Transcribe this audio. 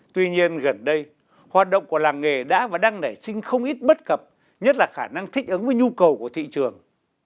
tuy nhiên gần đây hoạt động của làng nghề đã và đang nảy sinh không ít bất cập nhất là khả năng thích ứng với nhu cầu của thị trường